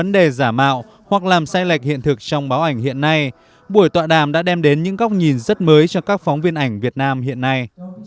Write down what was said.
để giả mạo hoặc làm sai lệch hiện thực trong báo ảnh hiện nay buổi tọa đàm đã đem đến những góc nhìn rất mới cho các phóng viên ảnh việt nam hiện nay